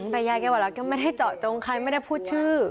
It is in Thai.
แต่ยายแกบอกแล้วแกไม่ได้เจาะจงใครไม่ได้พูดชื่อ